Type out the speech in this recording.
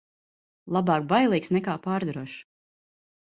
Labāk bailīgs nekā pārdrošs.